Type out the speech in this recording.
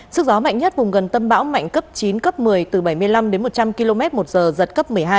sức gió mạnh nhất vùng gần tâm bão mạnh cấp chín cấp một mươi từ bảy mươi năm đến một trăm linh km một giờ giật cấp một mươi hai